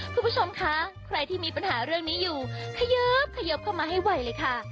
คุณผู้ชมคะใครที่มีปัญหาเรื่องนี้อยู่ขยิบขยิบเข้ามาให้ไวเลยค่ะ